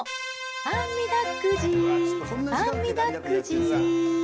あみだくじ、あみだくじ。